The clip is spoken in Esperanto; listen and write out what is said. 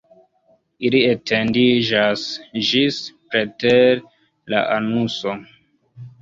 Ili etendiĝas ĝis preter la anuso.